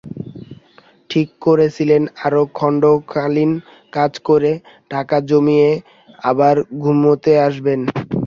ঠিক করেছিলেন আরও খণ্ডকালীন কাজ করে টাকা জমিয়ে আবার ঘুরতে আসবেন।